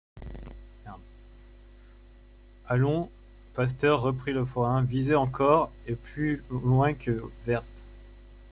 Allons, pasteur, reprit le forain, visez encore… et plus loin que Werst…